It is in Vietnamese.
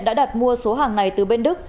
đã đặt mua số hàng này từ bên đức